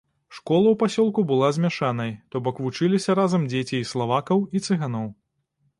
Школа ў пасёлку была змяшанай, то бок вучыліся разам дзеці і славакаў, і цыганоў.